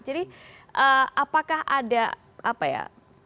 jadi apakah ada apa ya